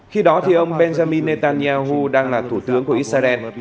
khi đó ông benjamin netanyahu đang là thủ tướng của israel